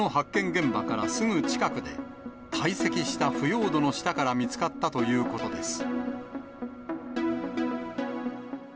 現場からすぐ近くで、堆積した腐葉土の下から見つかったということです。